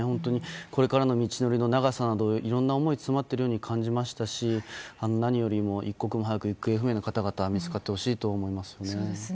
これからの道のりの長さなどいろんな思いが詰まっているように感じましたし何よりも一刻も早く行方不明の方々が見つかってほしいと思います。